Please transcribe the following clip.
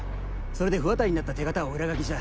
それで不渡りになった手形を裏書した。